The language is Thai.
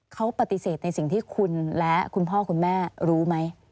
เขาปฏิเสธในสิ่งที่คุณและคุณพ่อคุณแม่รู้ไหม